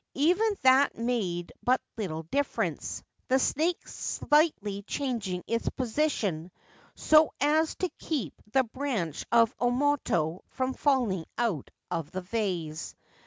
Even that made but little difference, the snake slightly changing its position so as to keep the branch of omoto from falling out of the vase.